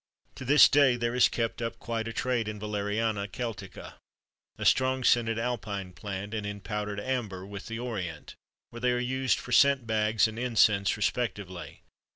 To this day there is kept up quite a trade in Valeriana celtica, a strong scented Alpine plant, and in powdered amber, with the Orient, where they are used for scent bags and incense respectively.